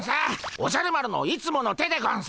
おじゃる丸のいつもの手でゴンス。